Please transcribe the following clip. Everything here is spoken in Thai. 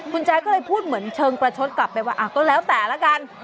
คุณแจ๊ก็เลยพูดเหมือนเชิงประชดกลับไปว่าก็แล้วแต่ละกัน